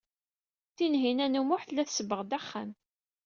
Tinhinan u Muḥ tella tsebbeɣ-d axxam.